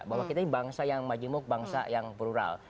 bahwa kita ini bangsa yang majemuk bangsa yang plural